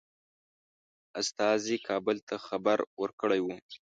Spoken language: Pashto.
استازي کابل ته خبر ورکړی وو.